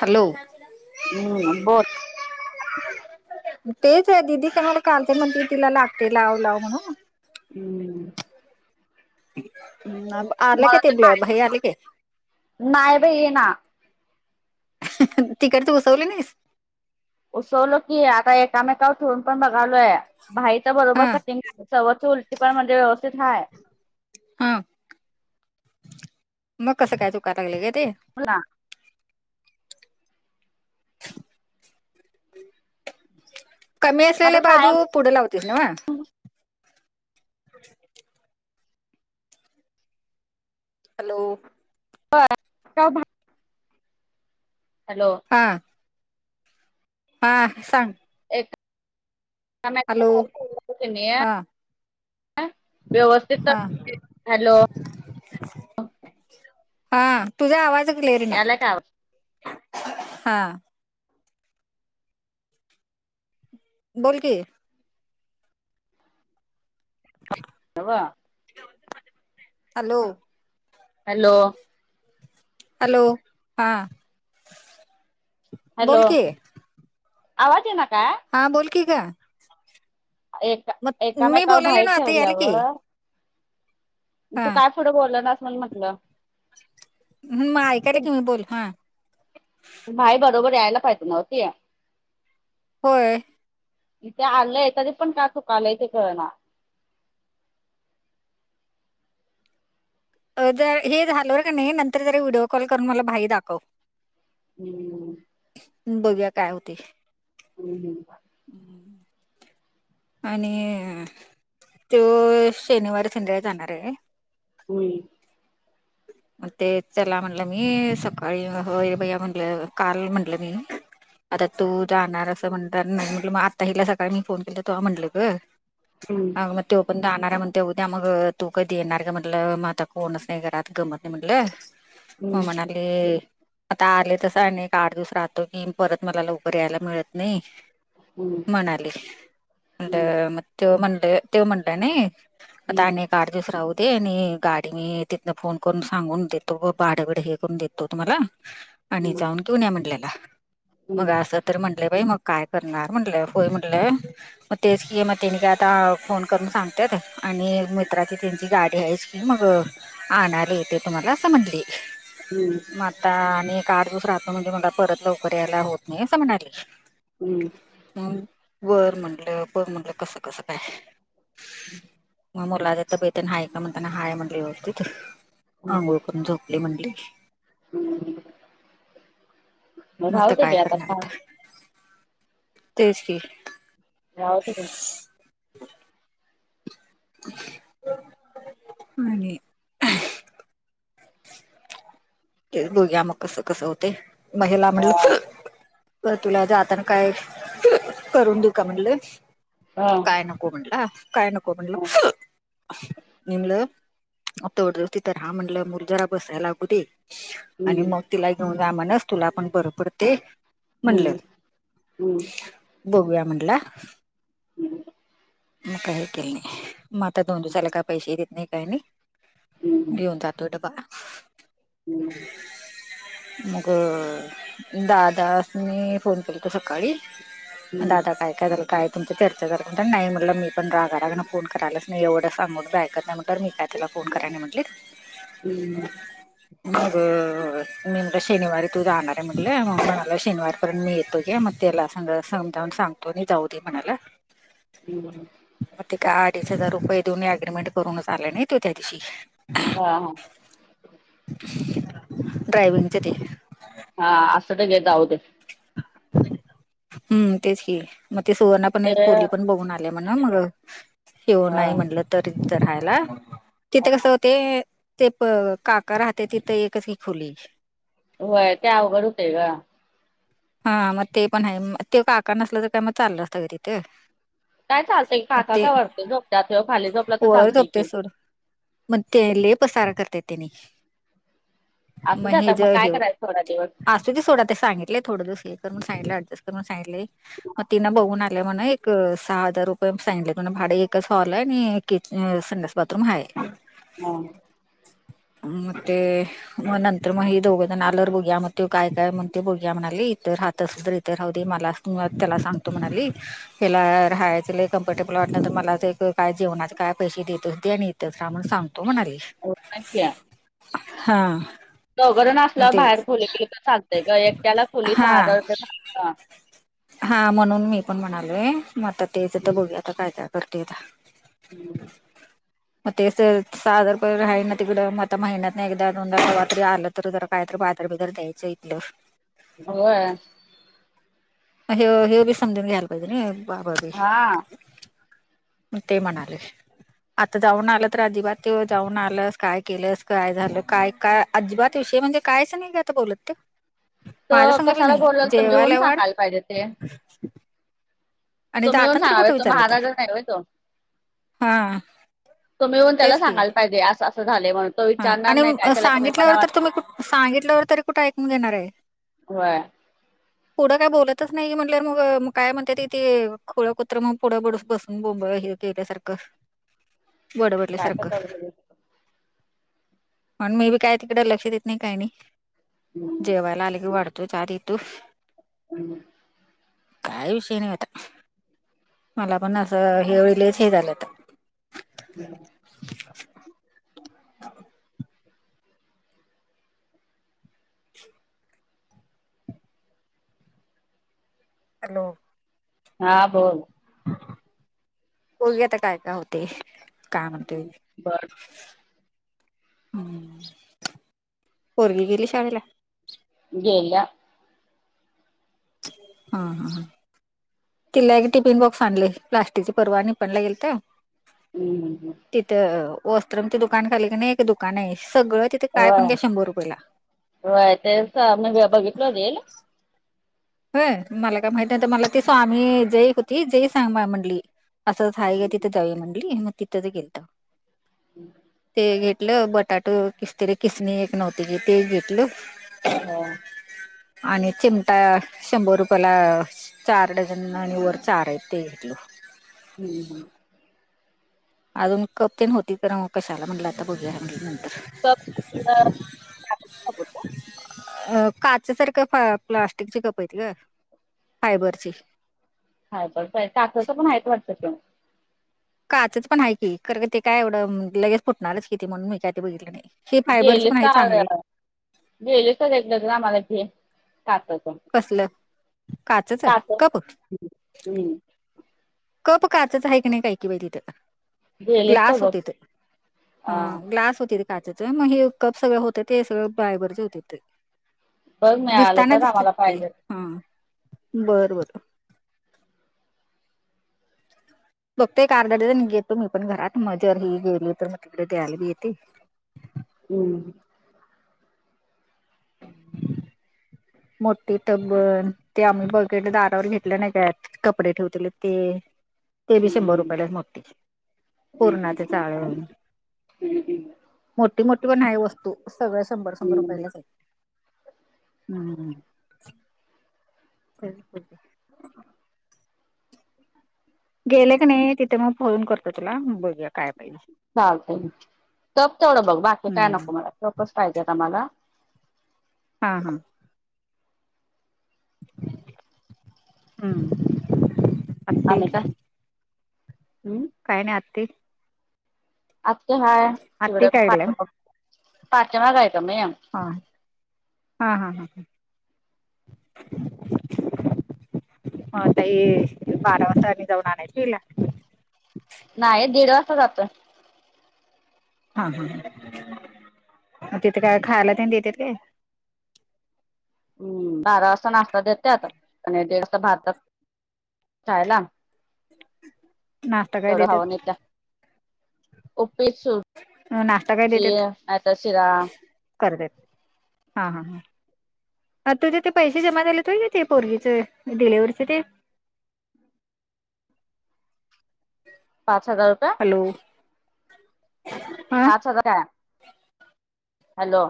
Hello हम्म बोल? तेच आहे दिदी [unintelligible] तिला लागते लाव लाव म्हणून. [inaudible] आले का ते भाई आलं के? नाही बाई नई येई ना. तिकडचे उसवली नाहीस? उसवल की आता एकामेकावर ठरून पण बघालोय भाईच हा बरोबर आहे चवची उलट म्हणजे व्यवस्थित हाय. हा मग कसं काय दुकायला ग ते? [inaudible] कमी माझं असलेल्या बाजू कायम पुढे लावतेस ना वा? [inaudible] हॅलो व्हय [unintelligible] हॅलो हां हा सांग एक हॅलो [inaudible] हा हा हॅलो! हा तुझा आवाज क्लिअर येना. यालाय का आवाज हा बोल की हि तव [inaudible] हॅलो! हॅलो! हॅलो हा हॅलो बोल की आवाज आहे ना का. हा बोलकी गं एका मी एकामेकावर बोलायले भाई ना आता याल की ठेवल्यावर हा तू काय पुढं बोल नास म्हणुन म्हटलं हम्म, ऐकाय ते की तुम्ही मी बोल हा भाई बरोबर यायला पाहिजे नव्ह ती. होय. इथे आलंय तरी पण काय चुका आलंय ते कळणा. जर हे झालवर का नाही नंतर जरी व्हिडिओ कॉल करून मला भाई दाखव हम्म बघूया काय होतंय. हम् हम [inaudible] हम् [inaudible] आणि त्यो शनिवार संध्याकाळी जाणार आहे. हम्म मग ते चला म्हणलं मी सकाळी हैर भैया म्हणलं काल म्हनलं मी, आता तू जाणार असं म्हणणार नाही म्हटलं मग आता हिला सकाळी मी फोन केला तो म्हटलं ग, हम्म मग तो पण जाणार आहे म्हग ते उद्या मग तू कधी येणार का म्हटलं म आता कोणच नाही घरात. गमत नाही म्हनलं मग हम्म म्हणाली. आता आले तस आणि एक आठ दिवस राहतो की परत मला लवकर यायला मिळत नाही. हम्म म्हणाली, म्हणलं मग तो म्हण तो म्हणाला नाही, आता अनेक आठ दिवस राहू दे आणि गाडी मी ति- फोन करून सांगून देतो ग भाड्याबड हे करून देतो तुम्हाला, आणि हम्म जाऊन घिऊन या म्हटल्याला, मग हम्म अस तर म्हटले बाई मग काय करणार म्हटलं होय म्हटलं, मग तेच की मग तेने काय आता फोन करून सांगतेात आणि मित्राची त्यांची गाडी आहेच, मग आणायला येतेेय तुम्हाला अस म्हटली. हम्म [inaudible] म आता आणि एक आठ दिवस राहतो म्हणजे मला परत लवकर यायला होत नाही असं म्हणाली. हम्म [inaudible] बरं म्हणटलं पर म्हणलं कसं कसं काय. हम् [unintelligible] [inaudible] हाय का म्हणताना हाय म्हटली व्यवस्थित आंघोळ करून झोपली म्हणली हम्म म मग आता राहू दे काय की करणार आता [unintelligible] तेच की. राहू दे आणि ते बघूया मग कस कसं होते म हिला हा म्हणलं बर तुला आधार काय करून देऊ का म्हणलं हा. काय नको म्हटलं काय नको म्हटलं म्हणलं [unintelligible] रा म्हणलं मुल जरा बसायला लागू दे आणि हम्म मग तिला ही घेऊन जा माणस तुला पण बर पडतं म्हणलं हम्म हम्म बघूया म्हटलं मग काही केलं नाही मग आता दोन दिवसाला काय पैसे देत नाही काय नाही हम्म घेऊन जात तो डब्बा. हम्म. मग दादास्नी फोन केलता सकाळी हम्म दादा काय कारण काय तुमच चर्चा [unintelligible] नाही म्हटलं मी पण रागारागा ने फोन करायला नाही एवढं सांगून पण ऐकत नाही म्हटल्यावर मी काय त्याला फोन कराय नाय म्हटले हम्म. [unintelligible] मी म्हटलं शनिवारी तू जाणार आहे म्हटलं मग म्हणाला शनिवारी पर्यंत मी येतो घे मग त्याला संग समजावून सांग तो नि जाऊ दे म्हणाला हम्म. मग ते का अडीच हजार रुपये देऊन एग्रीमेंट करूनच आले नाही तो त्या दिवशी हा हा. ड्रायव्हिंगचं ते हा असलं तर घे जाऊ दे. हम्म तेच कि मग ते सुवर्णा पण ते एक खोली पण बघून आले म्हणा मग त्यो हा नाही म्हणलं तरी तिथ राहायला, तिथे कस ते ते प काका राहते तिथं एकच आहे खोली व्हय ते अवघड होतंय ग हा मग ते पण आहे ते काका नसलं तर काय मग चाललं असतं का तिथं काय चालतय, मग काका ते काय वरती झोपतात, ह्यो खाली झोपलं तर वर चालतंय झोपते की सोड मग ते लई पसारा करते तेनी असू दे आता मग काय हे करायचं थोडा दिवस [unintelligible] सोडा ते सांगितलेय थोडं दिवस हे करून सांगितलं अडजस्ट कर म्हणून सांगितले म तिनं बघून आले म्हण एक एक सहा हजार रुपये सांगितलं पण भाडे एकच हॉल आहे आणि किच, संडास बाथरूम आहे. हा. ? मग ते मग नंतर मग हे दोघ जण आल्यावर बघू या मग ते काय काय म्हणतो ब घुया म्हणाली इथ राहत असली इथे राहू दे मला त्याला सांगतो म्हणाली ह्याला राहायचं लय कम्फर्टेबल वाटल मला ते काय जेवणाचं काय पैसे देत होते आणि [unintelligible] सांगतो म्हणाले. [unintelligible] हा, चौघा जण मग असल्यावर बाहेर तेच खोली केली तर चालतय ग एकट्याला खोली हा सहा हजार रुपये भाडे हा म्हणून मी पण म्हणालोय मग आता तेचं तर बघू आता काय काय करतेयता हम्, मग ते सहा हजार राही ना तिकडं मग आता महिन्यात नाही एकदा दोनदा केव्हातरी आलं रात्री आलं तर कायतरी द्यायचं इथलं, होय, हे हेव हे भी समजन घ्याल् पाहिजे नाही, हा म ते म्हणाले आता जाऊन आलं तर अजिबात ते जाऊन आलंस काय केलंस काय झालं काय काय अजिबात विषय म्हणजे कायच नाही क आता बोलत ते माझ्या तर संग बी कशाला नाही बोलवलं तुम्ही येऊन जेवायला वाढ सांगायला पाहिजे ते [unintelligible] आणि ते तुम्ही येऊन जाताना तर सांगावे कुठे तो विचारलं तर महाराजा नाही होय तो. हा तो मिळून त्याला तेच की सांगायला पाहिजे अस असं झाले म्हणून तो विचारणार नाही काय त्याला कमीपणा वाटत सांगितले तरी कुठे ऐकून घेणार आहे, होय, पुढं काय बोलतच नाही की म्हट मग काय म्हणते त- ते खोळ कुत्र मग बडस बसून गेल्यासारखं काय तर बडबडल्यासारखं करू दे म्हण मी बी काय तिकडं लक्ष देत नाही काय नाही, जेवायला आले की वाढतो चहा देतो, [unintelligible] काय विषय नाही आता पण असं ह्यावेळी हे झालंत हम [unintelligible] हॅलो हां बोल बघूया आता काय काय होते, काय म्हणतेय बर हम्म, पोरगी गेली शाळेला गेल्या हा हा हा तिला एक टिफिन बॉक्स आणले प्लास्टिकची परवा निपण ला गेलत्या, हम् हम, तिथं वस्त्रमच दुकान खाली क नाही एक दुकान आहे सगळं तिथे काय होय पण घ्या शंभर रुपयेला, होय तेच आम्ही बघितलं रीळ होय मला काय माहिती नाहीत मला ती स्वामी जई होती जय सांग म्हणली असंच हा का तिथं जाऊ मंडली मग तिथंच गेलतो, हम् हे घेतलं बटाटा किस तरी किसने किस तरी नव्हती ते घेतलं, हा, आणि चिमटा शंभर रुपयाला चार डझन आणि वर चार आहेत ते घेतलं, हम्म हं. अजून कप तेन होती पण कशाला म्हटलं आता बघूया म्हनलं नंतर. कप [unintelligible] [inaudible] अं काचासारखं फ प्लास्टिकची कप येत गं फायबरची. फायबरचय काच चं पण आहे वाटतं त्यो. काचच पण आहे की, करंवे ते काय एवढं लगेच फुटणारच कि ते म्हणून मी काय ते बघितलं नाही. हे फायबरच पण हाय चांगलं. गेले का [unintelligible] आम्हाला ते काचेचं. कसलं? काचच कप काचाचं. कप काचाच आहे की नाही पाय की बाय तिथे. गेलेस तर ग्लास हो बघ तिथं, अ हा ग्लास होती काचेचं, मग हे कप सगळं होत ते सगळं फायबरचे होते ते. बघ मिळालं दिसतांना तर आम्हाला दिसतात ते. पाहिजे. हा बर-बर. बघते ऐक-अर्धा डजन घेतो मी पण घरात, मग जर ही घरी येते मग तिकडे द्यायला बी येते. हम्म. मोट्ठी टब्ब ते आम्ही बकेट दारावर घेतल्या नाही त्यात कपडे ठेवतील ते, ते बी शंभर रुपयालाच मागतील. पूर्ण ते चाळवून मोठी-मोठी पण आहे वस्तू सगळं शंभर-शंभर हम्म रुपयांलाच हाय. हम्म, [inaudible] काय बी बोलते. गेले का नय तिथे मग फोन कर. चालतय ना, टप तेवढं बघ बाकी काय हम्म. नको मला. कपच पाहिजे गं मला. हा हा. ह्म. आम्ही का? हम्म. काय नाय आत्ती आत्या हाय. आत्ती काढल्या [unintelligible] तात्याला बायको नाय हां, हां-हां-हां. हो ताई ते बारा वाजता आम्ही जाऊन आणायचं हिला. नाही दीड वाजता जातो. हा, हा. मग तिथे काय खायला ते देतात काय? हम्म. बारा वाजता नाश्ता देतात, आणि दीड वाजता भाता खयला नाश्ता काय तेवढं हवं देतात नेत्या. [inaudible] ओके सोड. नाश्ता ही पातळ शिरा करत्यात, हा हा हा. म तुझे ते पैसे जमा झाले होय गं ते पोरगीचे डिलेव्हरीचे? [inaudible] पाच हजार का? हॅलो. हा पाच हजार आं. हॅलो.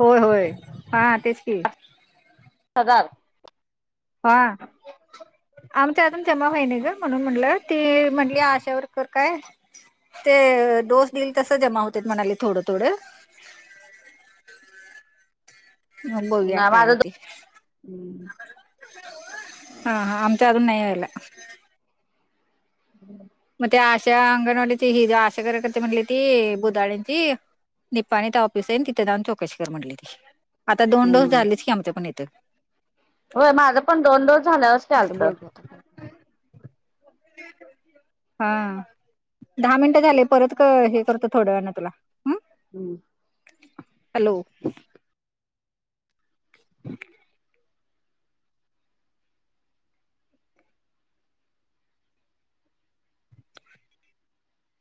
हो होय, हा तेच की. पगार? हा. आमच्या अजून जमा होई नाही ग. म्हणून म्हणलं, ती म्हंली आशावर कर काय. ते, डोस दिल तसं, जमा होतेत म्हणाले थोडं- थोडं. मग बघूया. ना काय माझं होती. हा, हा. आमच्या अजून नाही यायला. ह्. मग ते आशा अंगणवाडीची हि जी ज आशा कार्यकर्ती म्हणली ती, बुधाळेंची. निपाणीत ऑफिसय न, तिथं जाऊन चौकशी कर म्हणली ती. आता दोन डोस झालंच की, आमचं पण इथं. होय. माझं पण दोन डोस झालं, असे आता आलतं. बघू आता काय हा. दहा मिनटं झाले. परत क हे करतं, थोड्या वेळानं तुला. अं. हम्म. हॅलो. [inaudible]